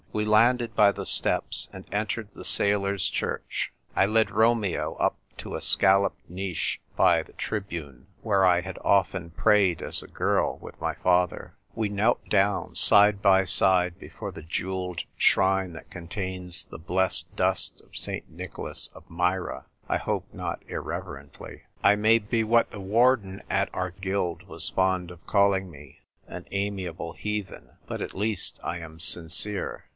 We landed by the steps, and entered the sailors' church. I led Romeo up to a scal loped niche by the tribune, where I had often prayed as a girl with my father. Wc knelt " O, ROMEO, ROMEO !" 221 down, side by side, before the jewelled shrine that contains the blessed dust of St. Nicholas of Myra, I hope not irreverently. I may be what the Warden at our Guild was fond of calling me, " an amiable heathen," but at least I am sincere.